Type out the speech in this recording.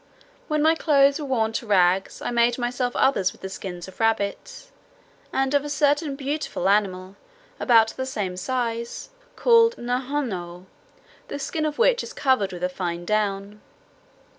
When my clothes were worn to rags, I made myself others with the skins of rabbits, and of a certain beautiful animal, about the same size, called nnuhnoh, the skin of which is covered with a fine down.